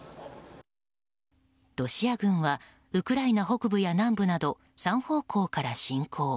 ロシア軍はウクライナ北部や南部など３方向から侵攻。